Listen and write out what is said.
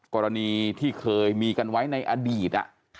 กรณีที่เคยมีกันไว้ในอดีต